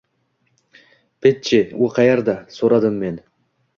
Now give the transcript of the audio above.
Pit-chi, u qayerda? – soʻradim men.